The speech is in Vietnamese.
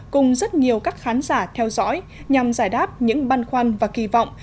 cùng rất nhiều các khán giả theo dõi nhằm giải đáp những băn khoăn và kỳ vọng